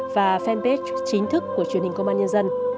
và fanpage chính thức của truyền hình công an nhân dân